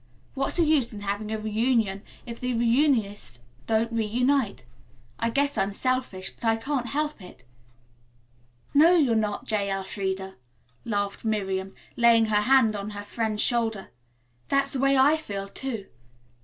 What's the use in having a reunion if the reunionists don't reunite. I guess I'm selfish, but I can't help it." "No, you're not, J. Elfreda," laughed Miriam, laying her hand on her friend's shoulder. "That's the way I feel, too.